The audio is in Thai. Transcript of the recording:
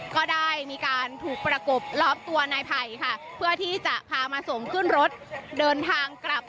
ก็ได้มีการถูกประกบล้อมตัวนายไผ่ค่ะเพื่อที่จะพามาสมขึ้นรถเดินทางกลับ